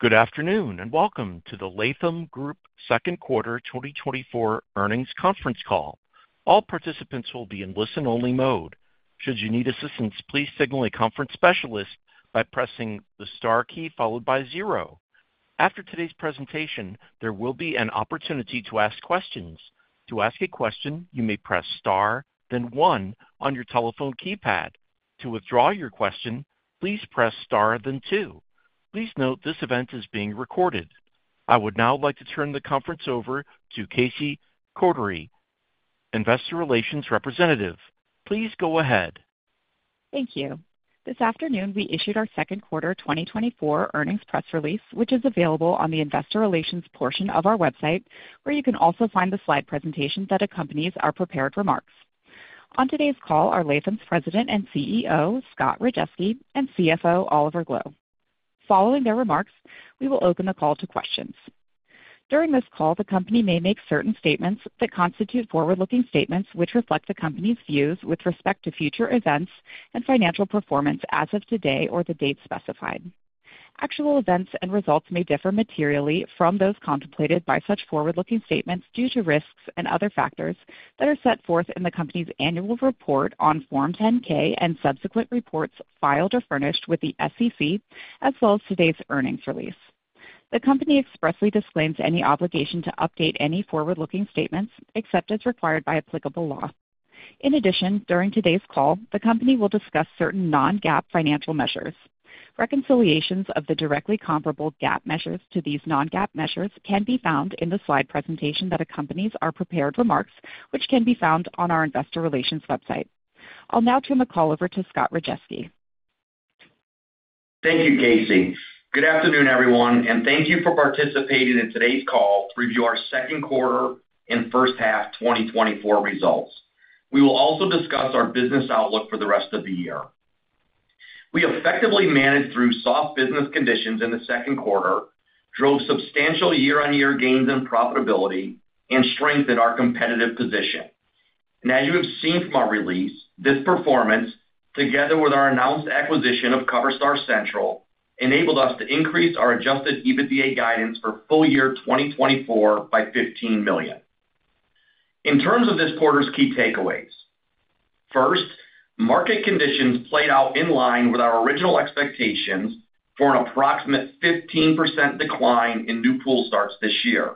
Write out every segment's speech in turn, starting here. Good afternoon, and welcome to the Latham Group Second Quarter 2024 earnings conference call. All participants will be in listen-only mode. Should you need assistance, please signal a conference specialist by pressing the star key followed by zero. After today's presentation, there will be an opportunity to ask questions. To ask a question, you may press star, then one on your telephone keypad. To withdraw your question, please press star, then two. Please note, this event is being recorded. I would now like to turn the conference over to Casey Kotary, investor relations representative. Please go ahead. Thank you. This afternoon, we issued our second quarter 2024 earnings press release, which is available on the investor relations portion of our website, where you can also find the slide presentation that accompanies our prepared remarks. On today's call are Latham's President and CEO, Scott Rajeski, and CFO, Oliver Gloe. Following their remarks, we will open the call to questions. During this call, the company may make certain statements that constitute forward-looking statements, which reflect the company's views with respect to future events and financial performance as of today or the date specified. Actual events and results may differ materially from those contemplated by such forward-looking statements due to risks and other factors that are set forth in the company's annual report on Form 10-K and subsequent reports filed or furnished with the SEC, as well as today's earnings release. The company expressly disclaims any obligation to update any forward-looking statements, except as required by applicable law. In addition, during today's call, the company will discuss certain non-GAAP financial measures. Reconciliations of the directly comparable GAAP measures to these non-GAAP measures can be found in the slide presentation that accompanies our prepared remarks, which can be found on our investor relations website. I'll now turn the call over to Scott Rajeski. Thank you, Casey. Good afternoon, everyone, and thank you for participating in today's call to review our second quarter and first half 2024 results. We will also discuss our business outlook for the rest of the year. We effectively managed through soft business conditions in the second quarter, drove substantial year-on-year gains in profitability, and strengthened our competitive position. As you have seen from our release, this performance, together with our announced acquisition of Coverstar Central, enabled us to increase our Adjusted EBITDA guidance for full year 2024 by $15 million. In terms of this quarter's key takeaways, first, market conditions played out in line with our original expectations for an approximate 15% decline in new pool starts this year.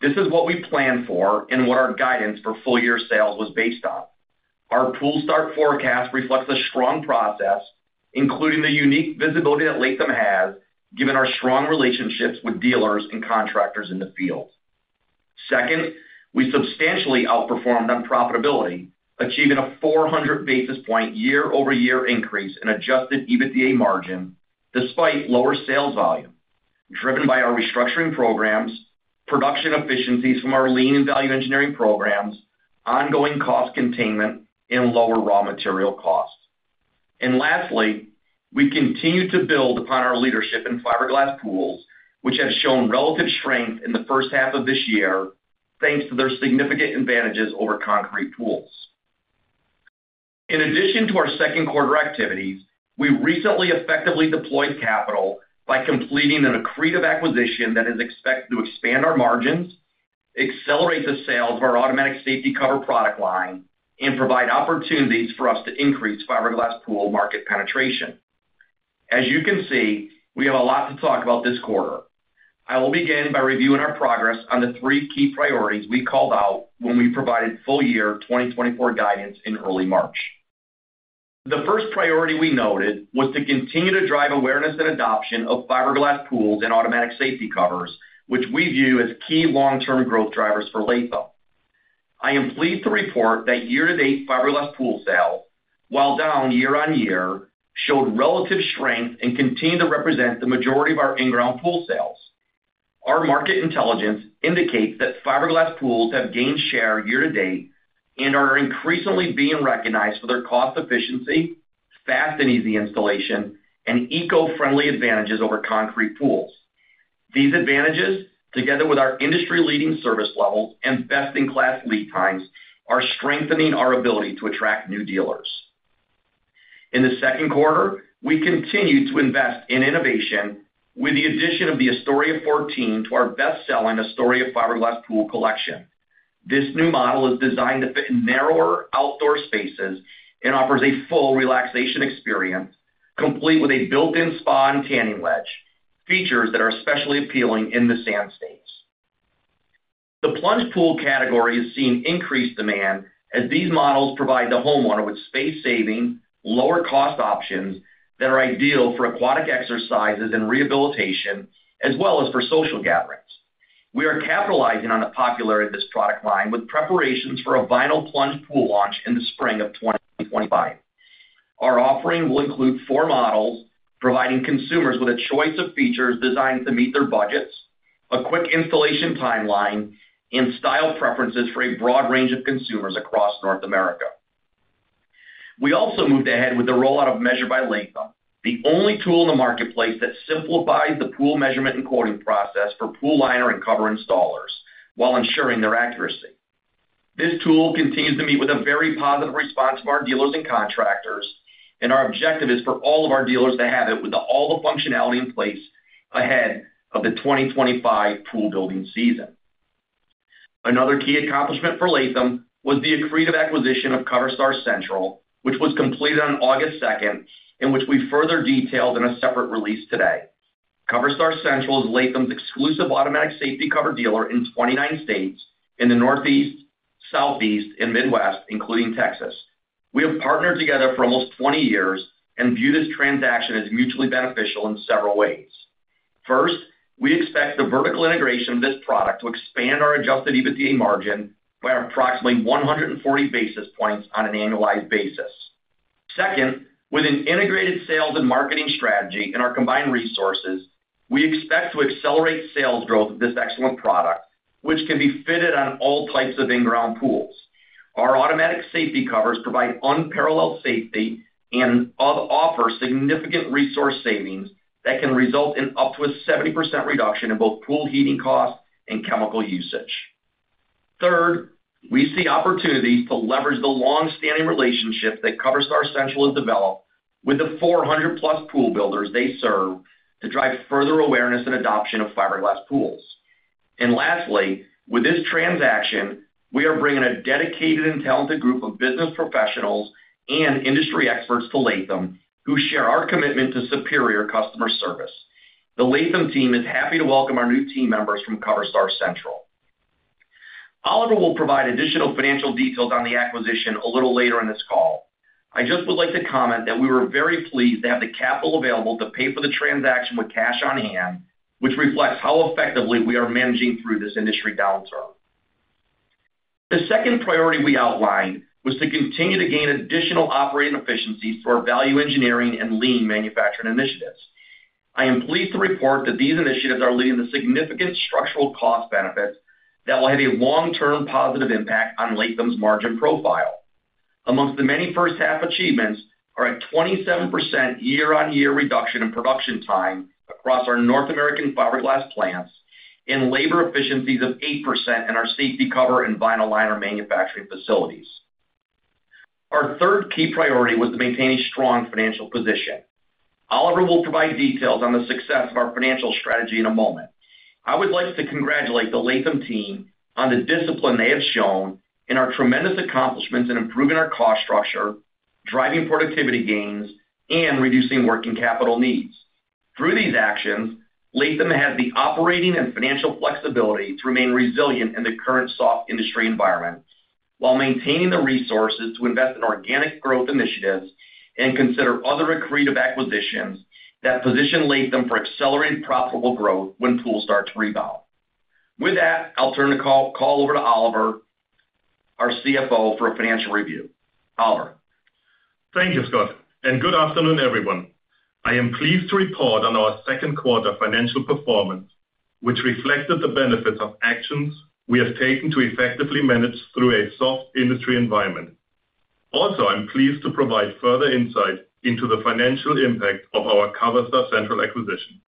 This is what we planned for and what our guidance for full year sales was based on. Our pool start forecast reflects a strong process, including the unique visibility that Latham has, given our strong relationships with dealers and contractors in the field. Second, we substantially outperformed on profitability, achieving a 400 basis point year-over-year increase in Adjusted EBITDA margin, despite lower sales volume, driven by our restructuring programs, production efficiencies from our Lean and Value Engineering programs, ongoing cost containment and lower raw material costs. And lastly, we continued to build upon our leadership in fiberglass pools, which have shown relative strength in the first half of this year, thanks to their significant advantages over concrete pools. In addition to our second quarter activities, we recently effectively deployed capital by completing an accretive acquisition that is expected to expand our margins, accelerate the sale of our automatic safety cover product line, and provide opportunities for us to increase fiberglass pool market penetration. As you can see, we have a lot to talk about this quarter. I will begin by reviewing our progress on the three key priorities we called out when we provided full year 2024 guidance in early March. The first priority we noted was to continue to drive awareness and adoption of fiberglass pools and automatic safety covers, which we view as key long-term growth drivers for Latham. I am pleased to report that year-to-date fiberglass pool sales, while down year-over-year, showed relative strength and continued to represent the majority of our in-ground pool sales. Our market intelligence indicates that fiberglass pools have gained share year to date and are increasingly being recognized for their cost efficiency, fast and easy installation, and eco-friendly advantages over concrete pools. These advantages, together with our industry-leading service levels and best-in-class lead times, are strengthening our ability to attract new dealers. In the second quarter, we continued to invest in innovation with the addition of the Astoria 14 to our best-selling Astoria fiberglass pool collection. This new model is designed to fit in narrower outdoor spaces and offers a full relaxation experience, complete with a built-in spa and tanning ledge, features that are especially appealing in the Sand States. The plunge pool category has seen increased demand, as these models provide the homeowner with space-saving, lower-cost options that are ideal for aquatic exercises and rehabilitation, as well as for social gatherings. We are capitalizing on the popularity of this product line with preparations for a vinyl plunge pool launch in the spring of 2025. Our offering will include four models, providing consumers with a choice of features designed to meet their budgets, a quick installation timeline, and style preferences for a broad range of consumers across North America. We also moved ahead with the rollout of Measure by Latham, the only tool in the marketplace that simplifies the pool measurement and quoting process for pool liner and cover installers while ensuring their accuracy. This tool continues to meet with a very positive response from our dealers and contractors, and our objective is for all of our dealers to have it with all the functionality in place ahead of the 2025 pool building season. Another key accomplishment for Latham was the accretive acquisition of Coverstar Central, which was completed on August 2nd, and which we further detailed in a separate release today. Coverstar Central is Latham's exclusive automatic safety cover dealer in 29 states in the Northeast, Southeast, and Midwest, including Texas. We have partnered together for almost 20 years and view this transaction as mutually beneficial in several ways. First, we expect the vertical integration of this product to expand our Adjusted EBITDA margin by approximately 140 basis points on an annualized basis. Second, with an integrated sales and marketing strategy and our combined resources, we expect to accelerate sales growth of this excellent product, which can be fitted on all types of in-ground pools. Our automatic safety covers provide unparalleled safety and offer significant resource savings that can result in up to a 70% reduction in both pool heating costs and chemical usage. Third, we see opportunities to leverage the long-standing relationship that Coverstar Central has developed with the 400+ pool builders they serve to drive further awareness and adoption of fiberglass pools. And lastly, with this transaction, we are bringing a dedicated and talented group of business professionals and industry experts to Latham, who share our commitment to superior customer service. The Latham team is happy to welcome our new team members from Coverstar Central. Oliver will provide additional financial details on the acquisition a little later in this call. I just would like to comment that we were very pleased to have the capital available to pay for the transaction with cash on hand, which reflects how effectively we are managing through this industry downturn. The second priority we outlined was to continue to gain additional operating efficiencies through our Value Engineering and Lean Manufacturing initiatives. I am pleased to report that these initiatives are leading to significant structural cost benefits that will have a long-term positive impact on Latham's margin profile. Among the many first half achievements are a 27% year-on-year reduction in production time across our North American fiberglass plants, and labor efficiencies of 8% in our safety cover and vinyl liner manufacturing facilities. Our third key priority was to maintain a strong financial position. Oliver will provide details on the success of our financial strategy in a moment. I would like to congratulate the Latham team on the discipline they have shown and our tremendous accomplishments in improving our cost structure, driving productivity gains, and reducing working capital needs. Through these actions, Latham has the operating and financial flexibility to remain resilient in the current soft industry environment, while maintaining the resources to invest in organic growth initiatives and consider other accretive acquisitions that position Latham for accelerated profitable growth when pools start to rebound. With that, I'll turn the call over to Oliver, our CFO, for a financial review. Oliver? Thank you, Scott, and good afternoon, everyone. I am pleased to report on our second quarter financial performance, which reflected the benefits of actions we have taken to effectively manage through a soft industry environment. Also, I'm pleased to provide further insight into the financial impact of our Coverstar Central acquisition.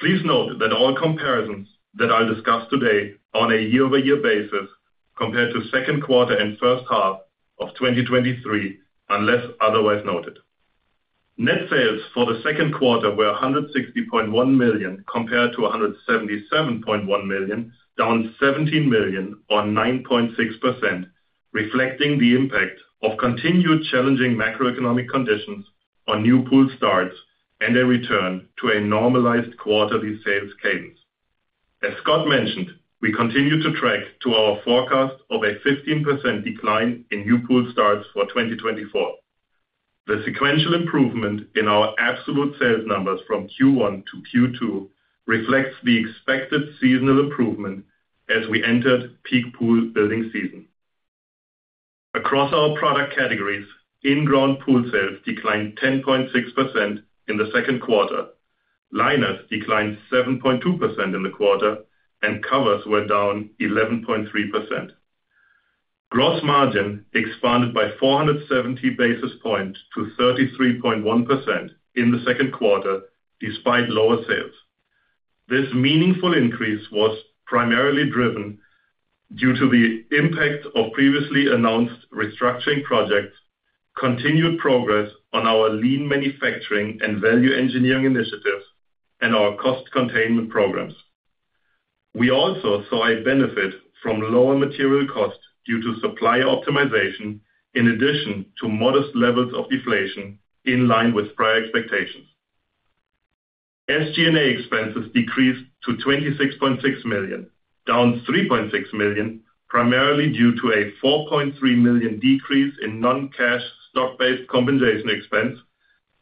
Please note that all comparisons that I'll discuss today are on a year-over-year basis compared to second quarter and first half of 2023, unless otherwise noted. Net sales for the second quarter were $160.1 million, compared to $177.1 million, down $17 million or 9.6%, reflecting the impact of continued challenging macroeconomic conditions on new pool starts and a return to a normalized quarterly sales cadence. As Scott mentioned, we continue to track to our forecast of a 15% decline in new pool starts for 2024. The sequential improvement in our absolute sales numbers from Q1 to Q2 reflects the expected seasonal improvement as we entered peak pool building season. Across our product categories, in-ground pool sales declined 10.6% in the second quarter, liners declined 7.2% in the quarter, and covers were down 11.3%. Gross margin expanded by 470 basis points to 33.1% in the second quarter, despite lower sales. This meaningful increase was primarily driven due to the impact of previously announced restructuring projects, continued progress on our lean manufacturing and value engineering initiatives, and our cost containment programs. We also saw a benefit from lower material costs due to supplier optimization, in addition to modest levels of deflation in line with prior expectations. SG&A expenses decreased to $26.6 million, down $3.6 million, primarily due to a $4.3 million decrease in non-cash stock-based compensation expense,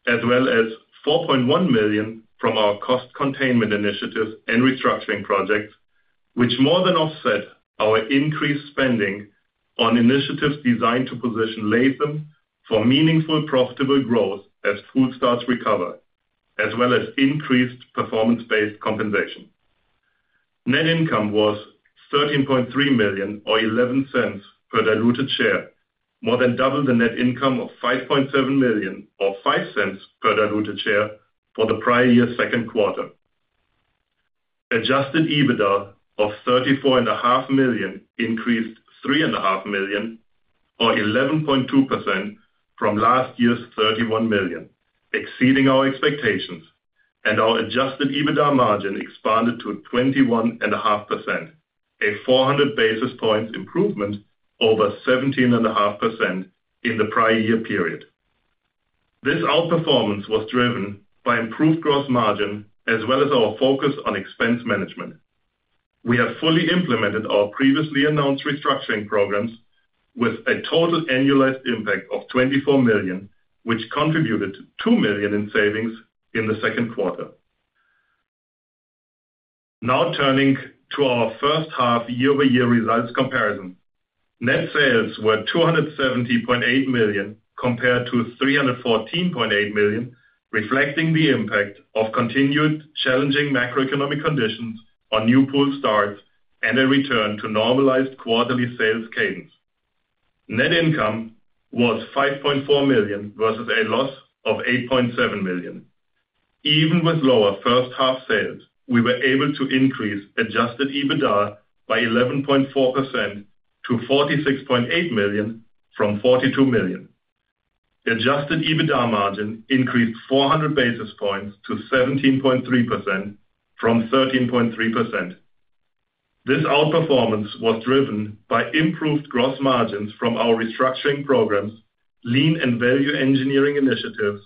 as well as $4.1 million from our cost containment initiatives and restructuring projects, which more than offset our increased spending on initiatives designed to position Latham for meaningful, profitable growth as pool starts recover, as well as increased performance-based compensation. Net income was $13.3 million, or $0.11 per diluted share, more than double the net income of $5.7 million, or $0.05 per diluted share for the prior year's second quarter. Adjusted EBITDA of $34.5 million increased $3.5 million, or 11.2% from last year's $31 million, exceeding our expectations, and our Adjusted EBITDA margin expanded to 21.5%, a 400 basis points improvement over 17.5% in the prior year period. This outperformance was driven by improved gross margin as well as our focus on expense management. We have fully implemented our previously announced restructuring programs with a total annualized impact of $24 million, which contributed $2 million in savings in the second quarter. Now turning to our first half year-over-year results comparison. Net sales were $270.8 million, compared to $314.8 million, reflecting the impact of continued challenging macroeconomic conditions on new pool starts and a return to normalized quarterly sales cadence. Net income was $5.4 million versus a loss of $8.7 million. Even with lower first half sales, we were able to increase Adjusted EBITDA by 11.4% to $46.8 million from $42 million. Adjusted EBITDA margin increased 400 basis points to 17.3% from 13.3%. This outperformance was driven by improved gross margins from our restructuring programs, lean and value engineering initiatives,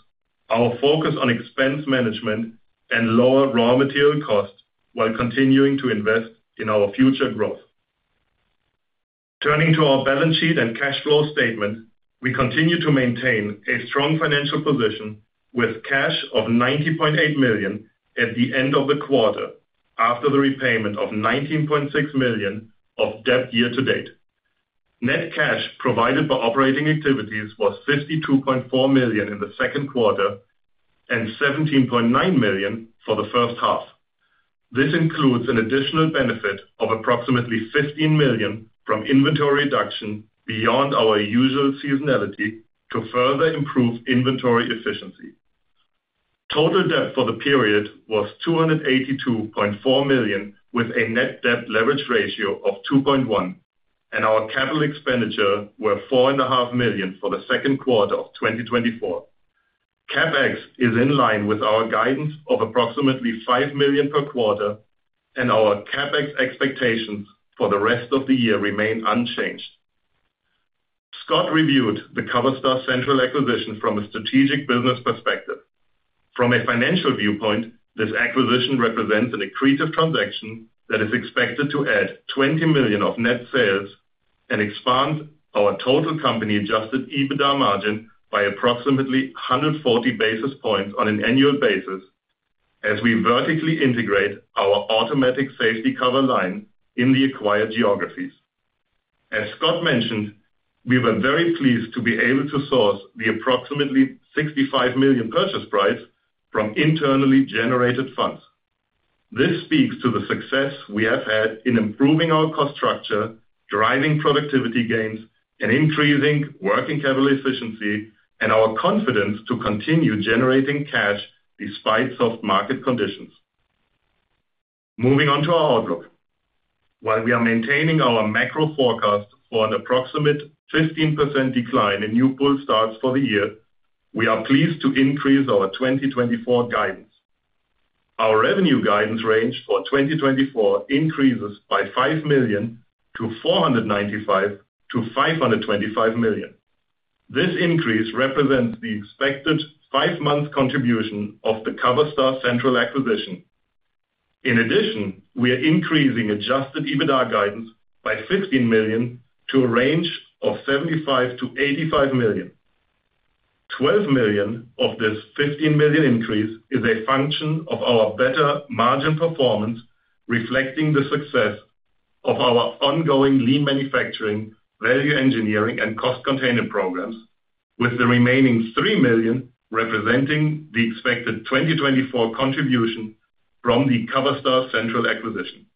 our focus on expense management, and lower raw material costs, while continuing to invest in our future growth. Turning to our balance sheet and cash flow statement, we continue to maintain a strong financial position with cash of $90.8 million at the end of the quarter, after the repayment of $19.6 million of debt year to date. Net cash provided by operating activities was $52.4 million in the second quarter and $17.9 million for the first half. This includes an additional benefit of approximately $15 million from inventory reduction beyond our usual seasonality to further improve inventory efficiency. Total debt for the period was $282.4 million, with a net debt leverage ratio of 2.1, and our capital expenditure were $4.5 million for the second quarter of 2024. CapEx is in line with our guidance of approximately $5 million per quarter, and our CapEx expectations for the rest of the year remain unchanged. Scott reviewed the Coverstar Central acquisition from a strategic business perspective. From a financial viewpoint, this acquisition represents an accretive transaction that is expected to add $20 million of net sales and expand our total company-Adjusted EBITDA margin by approximately 140 basis points on an annual basis as we vertically integrate our automatic safety cover line in the acquired geographies. As Scott mentioned, we were very pleased to be able to source the approximately $65 million purchase price from internally generated funds. This speaks to the success we have had in improving our cost structure, driving productivity gains, and increasing working capital efficiency, and our confidence to continue generating cash despite soft market conditions. Moving on to our outlook. While we are maintaining our macro forecast for an approximate 15% decline in new pool starts for the year, we are pleased to increase our 2024 guidance. Our revenue guidance range for 2024 increases by $5 million-$495 million-$525 million. This increase represents the expected five-month contribution of the Coverstar Central acquisition. In addition, we are increasing Adjusted EBITDA guidance by $15 million to a range of $75 million-$85 million. $12 million of this $15 million increase is a function of our better margin performance, reflecting the success of our ongoing Lean Manufacturing, Value Engineering, and cost containment programs, with the remaining $3 million representing the expected 2024 contribution from the Coverstar Central acquisition.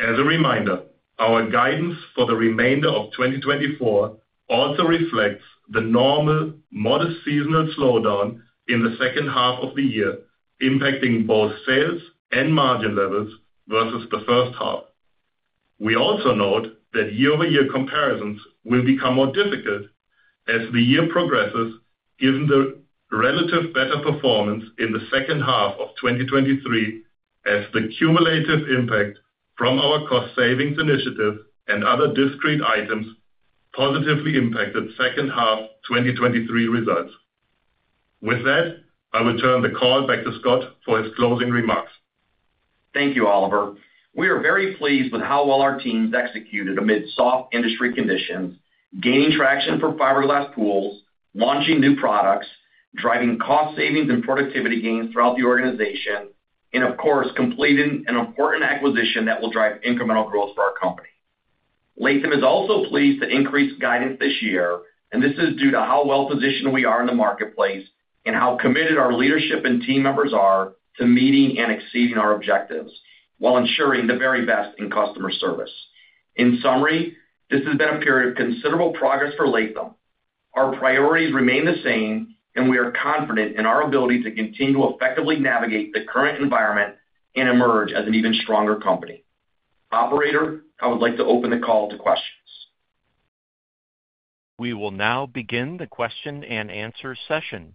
As a reminder, our guidance for the remainder of 2024 also reflects the normal modest seasonal slowdown in the second half of the year, impacting both sales and margin levels versus the first half. We also note that year-over-year comparisons will become more difficult as the year progresses, given the relative better performance in the second half of 2023, as the cumulative impact from our cost savings initiative and other discrete items positively impacted second half 2023 results. With that, I will turn the call back to Scott for his closing remarks. Thank you, Oliver. We are very pleased with how well our teams executed amid soft industry conditions, gaining traction for fiberglass pools, launching new products, driving cost savings and productivity gains throughout the organization, and of course, completing an important acquisition that will drive incremental growth for our company. Latham is also pleased to increase guidance this year, and this is due to how well positioned we are in the marketplace and how committed our leadership and team members are to meeting and exceeding our objectives while ensuring the very best in customer service. In summary, this has been a period of considerable progress for Latham. Our priorities remain the same, and we are confident in our ability to continue to effectively navigate the current environment and emerge as an even stronger company. Operator, I would like to open the call to questions. We will now begin the question-and-answer session.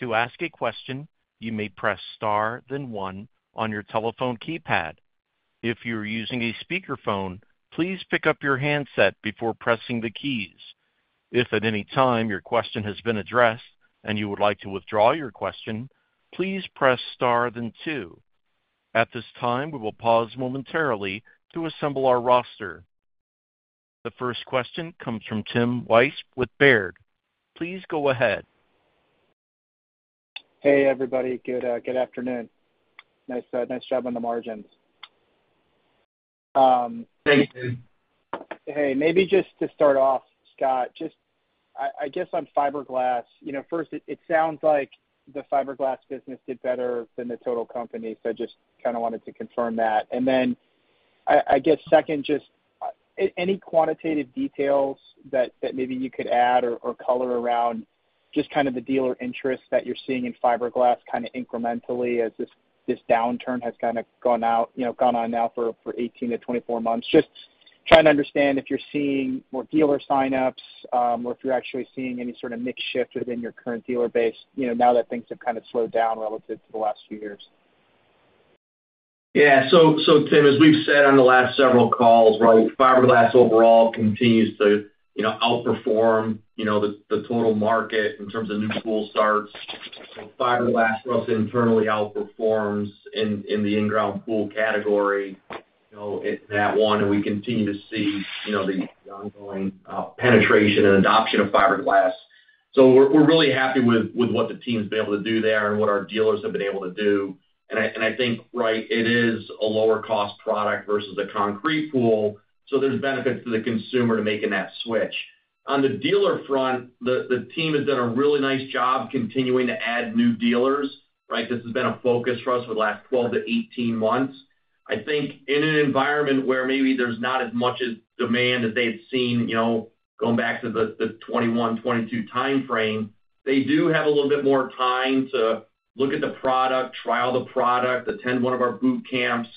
To ask a question, you may press star, then one on your telephone keypad. If you're using a speakerphone, please pick up your handset before pressing the keys. If at any time your question has been addressed and you would like to withdraw your question, please press star, then two. At this time, we will pause momentarily to assemble our roster. The first question comes from Timothy Wojs with Baird. Please go ahead. Hey, everybody. Good afternoon. Nice job on the margins. Thank you. Hey, maybe just to start off, Scott, just, I guess, on fiberglass, you know, first, it sounds like the fiberglass business did better than the total company, so just kind of wanted to confirm that. And then, I guess, second, just, any quantitative details that maybe you could add or color around, just kind of the dealer interest that you're seeing in fiberglass kind of incrementally as this downturn has kind of gone out, you know, gone on now for 18-24 months? Just trying to understand if you're seeing more dealer sign-ups, or if you're actually seeing any sort of mix shift within your current dealer base, you know, now that things have kind of slowed down relative to the last few years. Yeah. So, so Tim, as we've said on the last several calls, right, fiberglass overall continues to, you know, outperform, you know, the, the total market in terms of new pool starts. Fiberglass plus internally outperforms in, in the in-ground pool category, you know, it's that one, and we continue to see, you know, the ongoing penetration and adoption of fiberglass. So we're, we're really happy with, with what the team's been able to do there and what our dealers have been able to do. And I, and I think, right, it is a lower cost product versus the concrete pool, so there's benefits to the consumer to making that switch. On the dealer front, the, the team has done a really nice job continuing to add new dealers, right? This has been a focus for us for the last 12 months-18 months. I think in an environment where maybe there's not as much demand as they had seen, you know, going back to the 2021, 2022 timeframe, they do have a little bit more time to look at the product, try out the product, attend one of our boot camps,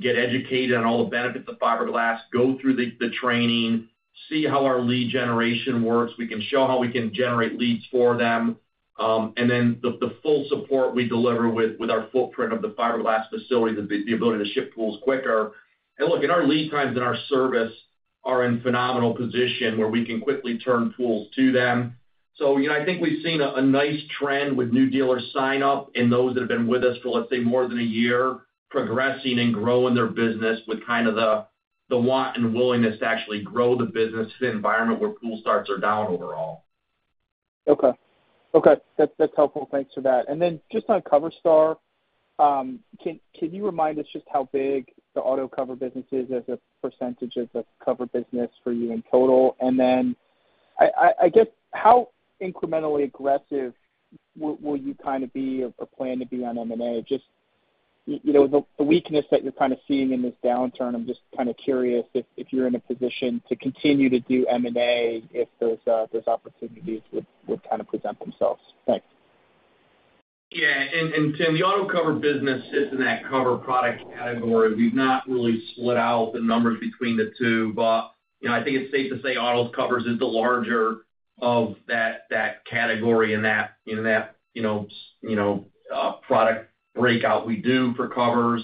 get educated on all the benefits of fiberglass, go through the training, see how our lead generation works. We can show how we can generate leads for them, and then the full support we deliver with our footprint of the fiberglass facility, the ability to ship pools quicker. And look, our lead times and our service are in phenomenal position, where we can quickly turn pools to them. You know, I think we've seen a nice trend with new dealers sign up and those that have been with us for, let's say, more than a year, progressing and growing their business with kind of the want and willingness to actually grow the business in an environment where pool starts are down overall. Okay. Okay, that's, that's helpful. Thanks for that. And then just on Coverstar, can you remind us just how big the auto cover business is as a percentage of the cover business for you in total? And then I guess, how incrementally aggressive will you kind of be or plan to be on M&A? Just, you know, the weakness that you're kind of seeing in this downturn, I'm just kind of curious if you're in a position to continue to do M&A, if those opportunities would kind of present themselves. Thanks. Yeah, and Tim, the auto cover business is in that cover product category. We've not really split out the numbers between the two, but you know, I think it's safe to say auto covers is the larger of that category in that product breakout we do for covers.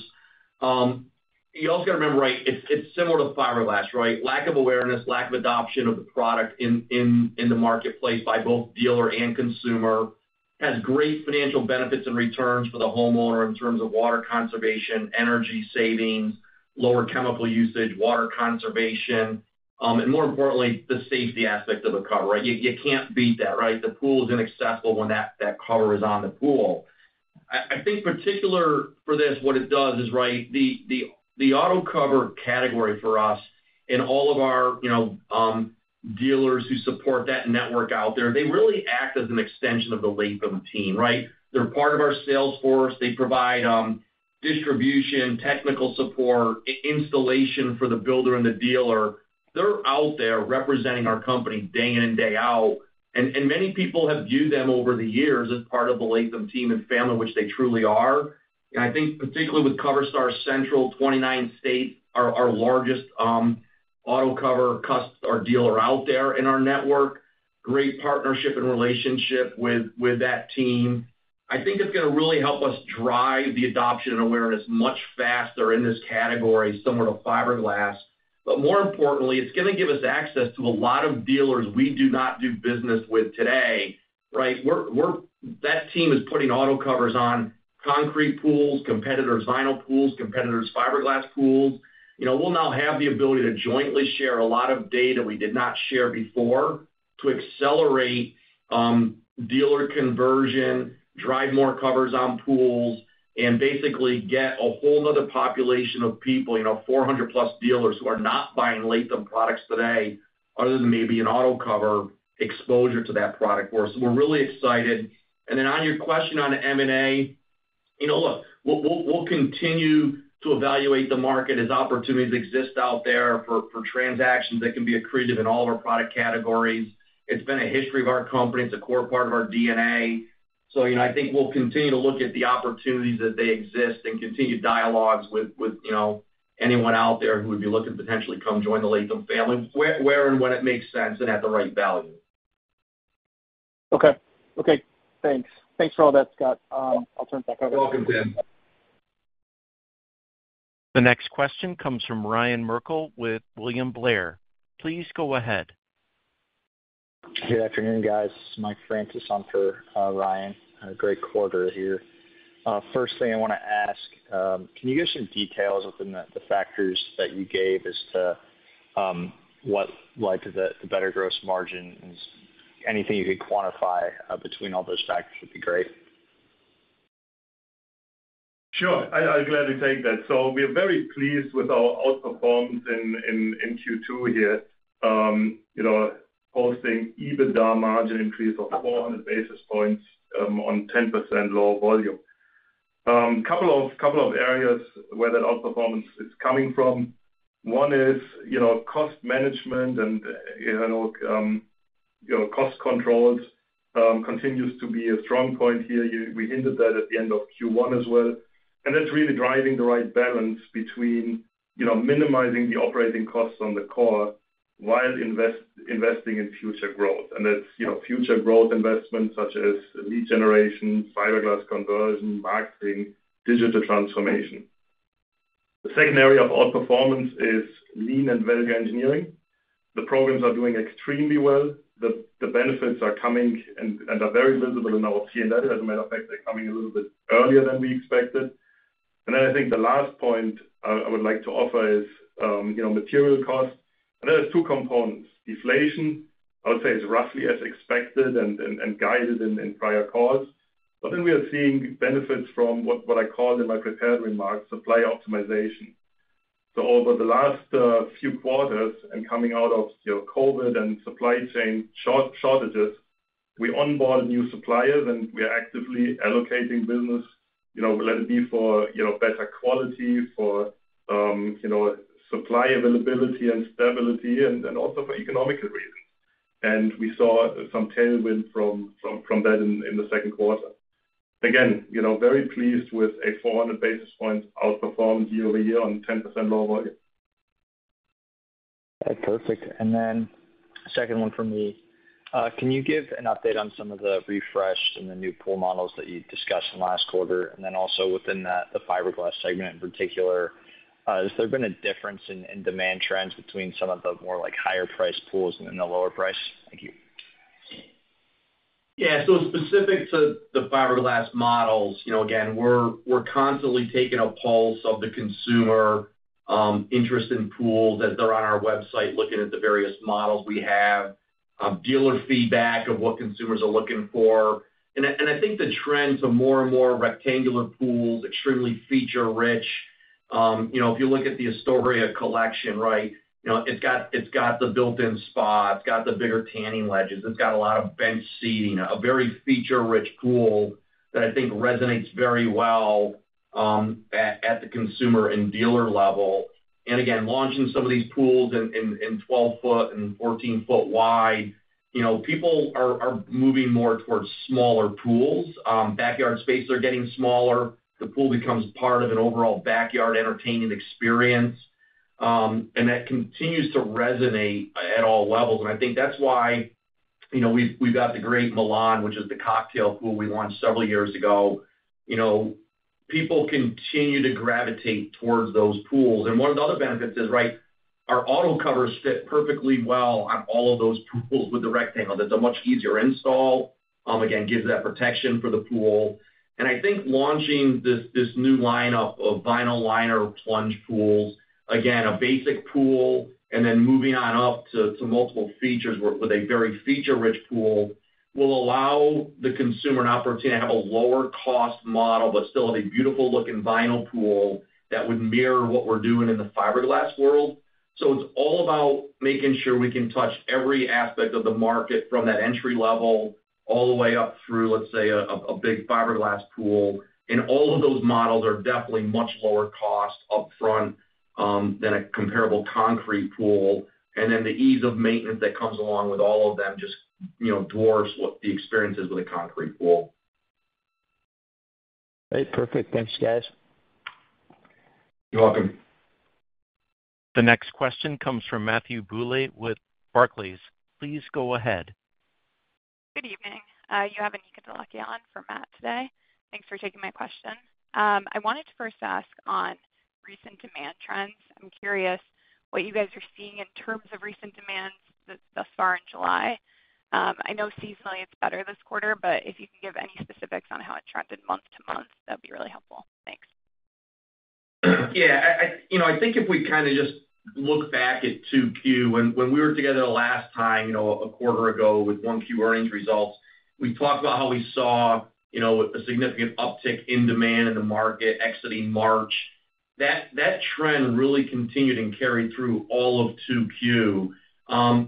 You also got to remember, right, it's similar to fiberglass, right? Lack of awareness, lack of adoption of the product in the marketplace by both dealer and consumer has great financial benefits and returns for the homeowner in terms of water conservation, energy savings, lower chemical usage, water conservation, and more importantly, the safety aspect of a cover, right? You can't beat that, right? The pool is inaccessible when that cover is on the pool. I think particular for this, what it does is, right, the auto cover category for us and all of our, you know, dealers who support that network out there, they really act as an extension of the Latham team, right? They're part of our sales force. They provide distribution, technical support, installation for the builder and the dealer. They're out there representing our company day in and day out, and many people have viewed them over the years as part of the Latham team and family, which they truly are. I think particularly with Coverstar Central, 29 states are our largest auto cover customer or dealer out there in our network. Great partnership and relationship with that team. I think it's gonna really help us drive the adoption and awareness much faster in this category, similar to fiberglass. But more importantly, it's gonna give us access to a lot of dealers we do not do business with today, right? That team is putting auto covers on concrete pools, competitors' vinyl pools, competitors' fiberglass pools. You know, we'll now have the ability to jointly share a lot of data we did not share before to accelerate, dealer conversion, drive more covers on pools, and basically get a whole nother population of people, you know, 400+ dealers, who are not buying Latham products today, other than maybe an auto cover exposure to that product for us. We're really excited. And then on your question on M&A. You know, look, we'll continue to evaluate the market as opportunities exist out there for transactions that can be accretive in all of our product categories. It's been a history of our company. It's a core part of our DNA. So, you know, I think we'll continue to look at the opportunities as they exist and continue dialogues with, with, you know, anyone out there who would be looking to potentially come join the Latham family, where, where and when it makes sense and at the right value. Okay. Okay, thanks. Thanks for all that, Scott. I'll turn it back over. You're welcome, Tim. The next question comes from Ryan Merkel with William Blair. Please go ahead. Good afternoon, guys. Mike Francis on for, Ryan. A great quarter here. First thing I want to ask, can you give some details within the, the factors that you gave as to, what led to the, the better gross margins? Anything you could quantify, between all those factors would be great. Sure. I'll gladly take that. So we are very pleased with our outperformance in Q2 here, you know, posting EBITDA margin increase of 400 basis points, on 10% lower volume. Couple of areas where that outperformance is coming from. One is, you know, cost management and, you know, cost controls, continues to be a strong point here. We hinted that at the end of Q1 as well, and that's really driving the right balance between, you know, minimizing the operating costs on the core while investing in future growth. And that's, you know, future growth investments such as lead generation, fiberglass conversion, marketing, digital transformation. The second area of outperformance is lean and value engineering. The programs are doing extremely well. The benefits are coming and are very visible in our P&L. As a matter of fact, they're coming a little bit earlier than we expected. Then I think the last point I would like to offer is, you know, material costs, and that is two components: deflation, I would say, is roughly as expected and guided in prior calls. But then we are seeing benefits from what I call in my prepared remarks, supply optimization. So over the last few quarters and coming out of, you know, COVID and supply chain shortages, we onboard new suppliers, and we are actively allocating business, you know, let it be for, you know, better quality, for, you know, supply availability and stability and also for economical reasons. And we saw some tailwind from that in the second quarter. Again, you know, very pleased with a 400 basis points outperformance year-over-year on 10% lower volume. Perfect. And then second one for me, can you give an update on some of the refreshed and the new pool models that you discussed in last quarter? And then also within that, the fiberglass segment in particular, has there been a difference in demand trends between some of the more like higher priced pools and in the lower price? Thank you. Yeah, so specific to the fiberglass models, you know, again, we're constantly taking a pulse of the consumer interest in pools, as they're on our website, looking at the various models we have, dealer feedback of what consumers are looking for. And I think the trends are more and more rectangular pools, extremely feature-rich. You know, if you look at the Astoria Collection, right, you know, it's got the built-in spa, it's got the bigger tanning ledges, it's got a lot of bench seating, a very feature-rich pool that I think resonates very well, at the consumer and dealer level. And again, launching some of these pools in 12 ft and 14-ft wide, you know, people are moving more towards smaller pools. Backyard spaces are getting smaller. The pool becomes part of an overall backyard entertaining experience, and that continues to resonate at all levels. And I think that's why, you know, we've, we've got the great Milan, which is the cocktail pool we launched several years ago. You know, people continue to gravitate towards those pools. And one of the other benefits is, right, our auto covers fit perfectly well on all of those pools with the rectangle. That's a much easier install. Again, gives that protection for the pool. And I think launching this, this new lineup of vinyl liner plunge pools, again, a basic pool, and then moving on up to, to multiple features with, with a very feature-rich pool, will allow the consumer an opportunity to have a lower cost model, but still have a beautiful looking vinyl pool that would mirror what we're doing in the fiberglass world. So it's all about making sure we can touch every aspect of the market from that entry level, all the way up through, let's say, a big fiberglass pool. And all of those models are definitely much lower cost upfront than a comparable concrete pool. And then the ease of maintenance that comes along with all of them just, you know, dwarfs what the experience is with a concrete pool. Right. Perfect. Thanks, guys. You're welcome. The next question comes from Matthew Bouley with Barclays. Please go ahead. Good evening. You have Aniket Mhatre on for Matt today. Thanks for taking my question. I wanted to first ask on recent demand trends. I'm curious what you guys are seeing in terms of recent demands thus far in July. I know seasonally it's better this quarter, but if you could give any specifics on how it trended month to month, that'd be really helpful. Thanks. Yeah. You know, I think if we kind of just look back at 2Q, when we were together last time, you know, a quarter ago, with 1Q earnings results, we talked about how we saw, you know, a significant uptick in demand in the market exiting March. That trend really continued and carried through all of 2Q.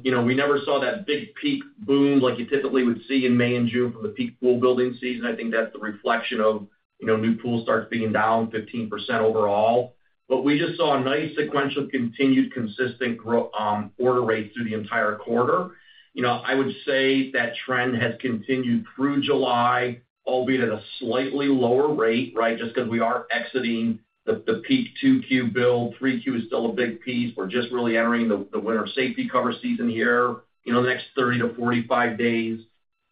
You know, we never saw that big peak boom like you typically would see in May and June from the peak pool building season. I think that's the reflection of, you know, new pool starts being down 15% overall. But we just saw a nice sequential, continued, consistent grow, order rate through the entire quarter. You know, I would say that trend has continued through July, albeit at a slightly lower rate, right? Just because we are exiting the peak 2Q build. 3Q is still a big piece. We're just really entering the winter safety cover season here, you know, the next 30 days-45 days.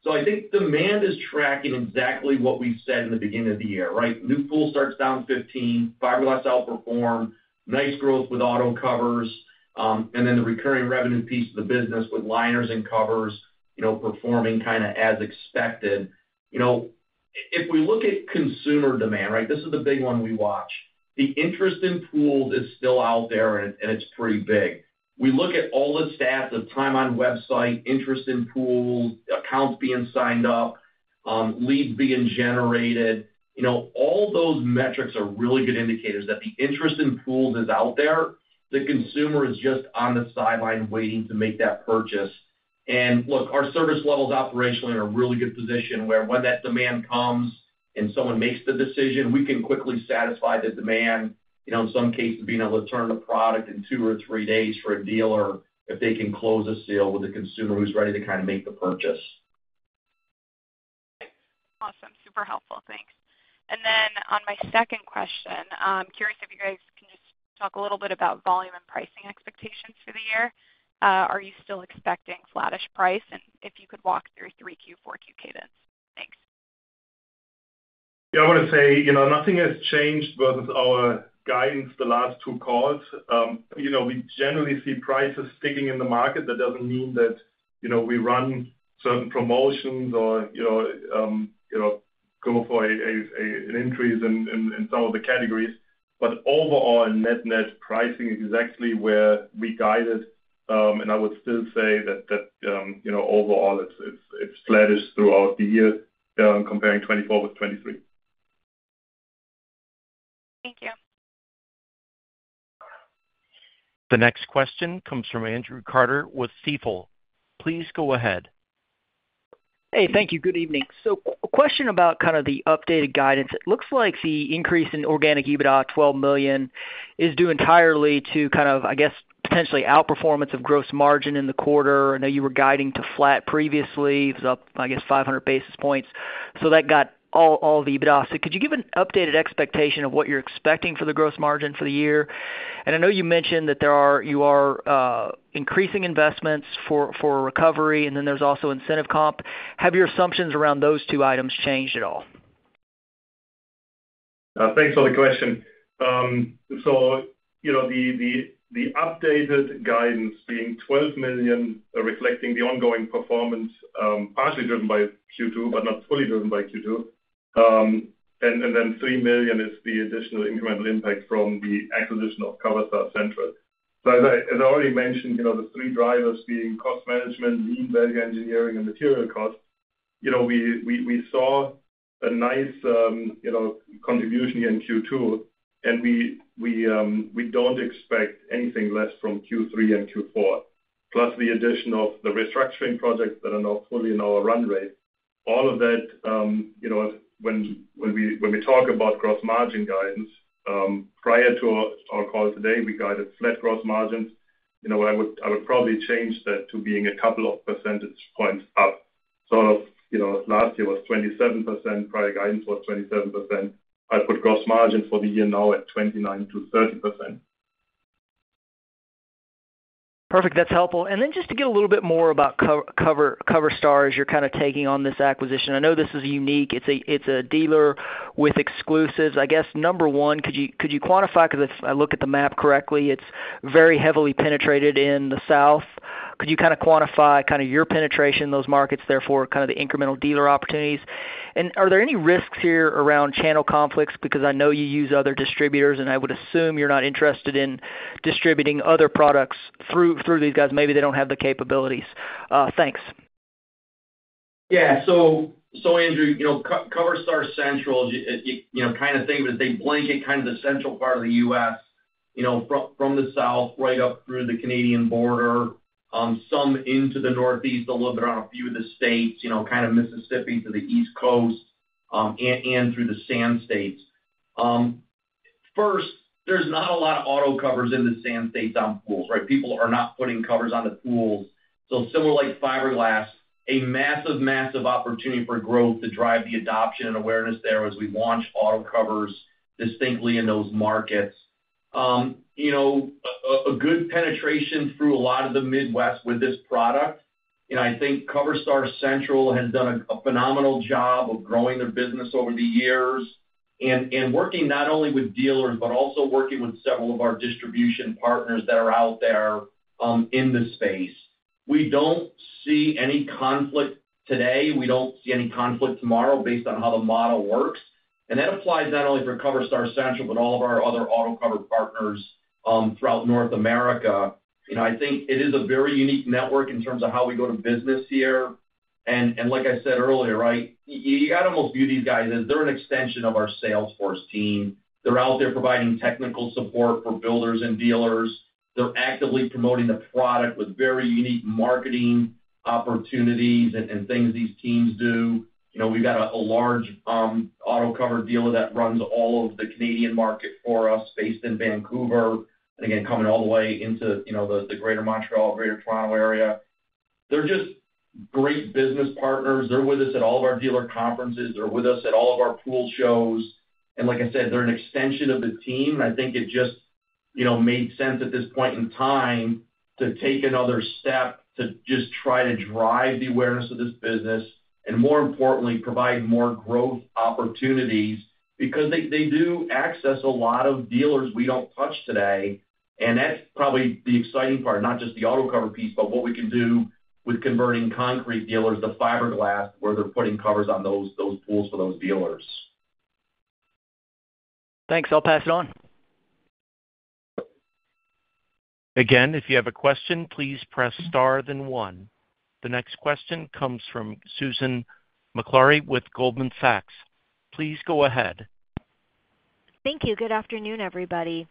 So I think demand is tracking exactly what we've said in the beginning of the year, right? New pool starts down 15, fiberglass outperform, nice growth with auto covers, and then the recurring revenue piece of the business with liners and covers, you know, performing kind of as expected. You know, if we look at consumer demand, right? This is the big one we watch. The interest in pools is still out there, and it, and it's pretty big. We look at all the stats, the time on website, interest in pools, accounts being signed up, leads being generated. You know, all those metrics are really good indicators that the interest in pools is out there. The consumer is just on the sideline waiting to make that purchase. And look, our service level is operationally in a really good position, where when that demand comes and someone makes the decision, we can quickly satisfy the demand, you know, in some cases, being able to turn the product in two or three days for a dealer, if they can close a sale with a consumer who's ready to kind of make the purchase. Awesome. Super helpful. Thanks. And then on my second question, curious if you guys can just talk a little bit about volume and pricing expectations for the year. Are you still expecting flattish price? And if you could walk through 3Q, 4Q cadence. Thanks. Yeah, I want to say, you know, nothing has changed versus our guidance the last two calls. You know, we generally see prices sticking in the market. That doesn't mean that, you know, we run certain promotions or, you know, go for an increase in some of the categories. But overall, net pricing is exactly where we guided, and I would still say that, you know, overall it's flattish throughout the year, comparing 2024 with 2023. Thank you. The next question comes from Andrew Carter with Stifel. Please go ahead. Hey, thank you. Good evening. So a question about kind of the updated guidance. It looks like the increase in organic EBITDA, $12 million, is due entirely to kind of, I guess, potentially outperformance of gross margin in the quarter. I know you were guiding to flat previously. It's up, I guess, 500 basis points. So that got all the EBITDA. So could you give an updated expectation of what you're expecting for the gross margin for the year? And I know you mentioned that there are, you are increasing investments for recovery, and then there's also incentive comp. Have your assumptions around those two items changed at all? Thanks for the question. So, you know, the updated guidance being $12 million, reflecting the ongoing performance, partially driven by Q2, but not fully driven by Q2. And then $3 million is the additional incremental impact from the acquisition of Coverstar Central. So as I already mentioned, you know, the three drivers being cost management, lean value engineering, and material costs. You know, we saw a nice, you know, contribution in Q2, and we don't expect anything less from Q3 and Q4, plus the addition of the restructuring projects that are now fully in our run rate. All of that, you know, when we talk about gross margin guidance, prior to our call today, we guided flat gross margins. You know, I would, I would probably change that to being a couple of percentage points up. So, you know, last year was 27%, prior guidance was 27%. I'd put gross margin for the year now at 29%-30%. Perfect. That's helpful. And then just to get a little bit more about Coverstar, as you're kind of taking on this acquisition. I know this is unique. It's a, it's a dealer with exclusives. I guess, number one, could you, could you quantify? Because if I look at the map correctly, it's very heavily penetrated in the South. Could you kind of quantify kind of your penetration in those markets, therefore, kind of the incremental dealer opportunities? And are there any risks here around channel conflicts? Because I know you use other distributors, and I would assume you're not interested in distributing other products through, through these guys. Maybe they don't have the capabilities. Thanks. Yeah. So Andrew, you know, Coverstar Central, you know, kind of think of it, they blanket kind of the central part of the U.S., you know, from the South right up through the Canadian border, some into the Northeast, a little bit on a few of the states, you know, kind of Mississippi to the East Coast, and through the Sand States. First, there's not a lot of auto covers in the Sand States on pools, right? People are not putting covers onto pools. So similar, like fiberglass, a massive, massive opportunity for growth to drive the adoption and awareness there as we launch auto covers distinctly in those markets. You know, a good penetration through a lot of the Midwest with this product, and I think Coverstar Central has done a phenomenal job of growing their business over the years and working not only with dealers, but also working with several of our distribution partners that are out there in this space. We don't see any conflict today. We don't see any conflict tomorrow based on how the model works. And that applies not only for Coverstar Central, but all of our other auto cover partners throughout North America. You know, I think it is a very unique network in terms of how we go to business here. And like I said earlier, right? You gotta almost view these guys as they're an extension of our sales force team. They're out there providing technical support for builders and dealers. They're actively promoting the product with very unique marketing opportunities and, and things these teams do. You know, we've got a large auto cover dealer that runs all of the Canadian market for us, based in Vancouver, and again, coming all the way into, you know, the greater Montreal, greater Toronto area. They're just great business partners. They're with us at all of our dealer conferences. They're with us at all of our pool shows, and like I said, they're an extension of the team. I think it just, you know, made sense at this point in time to take another step to just try to drive the awareness of this business, and more importantly, provide more growth opportunities, because they, they do access a lot of dealers we don't touch today, and that's probably the exciting part, not just the auto cover piece, but what we can do with converting concrete dealers to fiberglass, where they're putting covers on those, those pools for those dealers. Thanks. I'll pass it on. Again, if you have a question, please press star then one. The next question comes from Susan Maklari with Goldman Sachs. Please go ahead. Thank you. Good afternoon, everybody.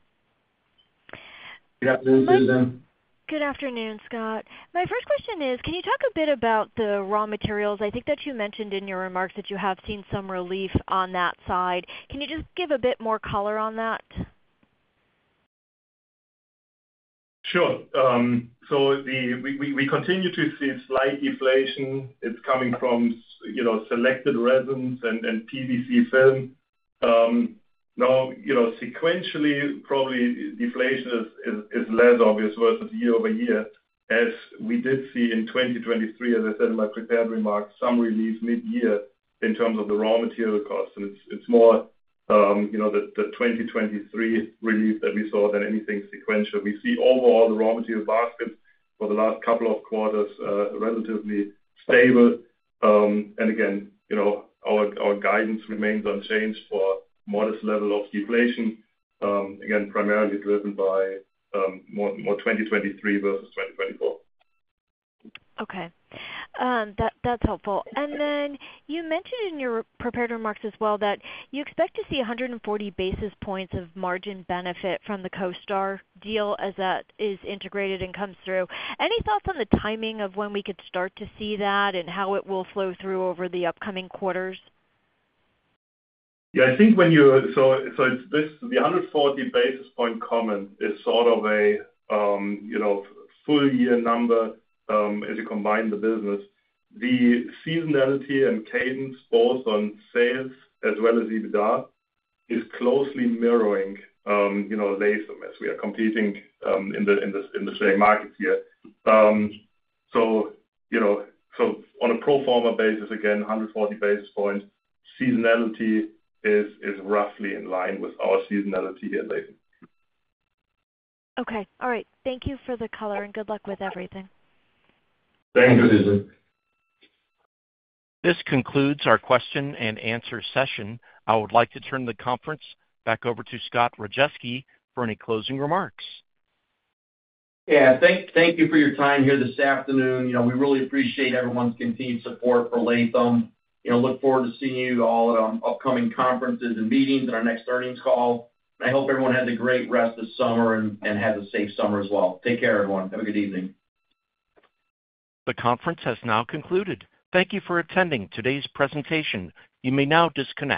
Good afternoon, Susan. Good afternoon, Scott. My first question is, can you talk a bit about the raw materials? I think that you mentioned in your remarks that you have seen some relief on that side. Can you just give a bit more color on that? Sure. So we continue to see slight deflation. It's coming from, you know, selected resins and PVC film. Now, you know, sequentially, probably deflation is less obvious versus year over year, as we did see in 2023, as I said in my prepared remarks, some relief mid-year in terms of the raw material costs. And it's more, you know, the 2023 relief that we saw than anything sequential. We see overall the raw material basket for the last couple of quarters relatively stable. And again, you know, our guidance remains unchanged for modest level of deflation, again, primarily driven by more 2023 versus 2024. Okay. That's helpful. And then you mentioned in your prepared remarks as well, that you expect to see 140 basis points of margin benefit from the Coverstar deal as that is integrated and comes through. Any thoughts on the timing of when we could start to see that and how it will flow through over the upcoming quarters? Yeah, I think when you— So, so it's this, the 140 basis point comment is sort of a, you know, full year number, as you combine the business. The seasonality and cadence, both on sales as well as EBITDA, is closely mirroring, you know, Latham, as we are competing in the same markets here. So, you know, so on a pro forma basis, again, 140 basis points, seasonality is roughly in line with our seasonality here at Latham. Okay. All right. Thank you for the color, and good luck with everything. Thank you, Susan. This concludes our question and answer session. I would like to turn the conference back over to Scott Rajeski for any closing remarks. Yeah, thank you for your time here this afternoon. You know, we really appreciate everyone's continued support for Latham. You know, look forward to seeing you all at upcoming conferences and meetings and our next earnings call. I hope everyone has a great rest of summer and has a safe summer as well. Take care, everyone. Have a good evening. The conference has now concluded. Thank you for attending today's presentation. You may now disconnect.